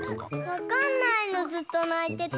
わかんないのずっとないてて。